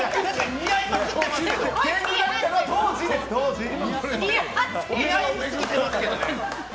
似合いすぎてますけどね。